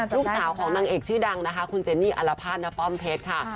ลูกสาวของนางเอกชื่อดังนะคะคุณเจนี่อรภาษณป้อมเพชรค่ะ